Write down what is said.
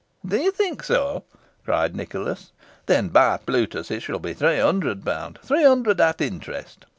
"Do you think so!" cried Nicholas. "Then, by Plutus, it shall be three hundred pounds three hundred at interest.